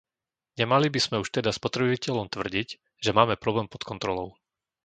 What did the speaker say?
Nemali by sme už teda spotrebiteľom tvrdiť, že máme problém pod kontrolou.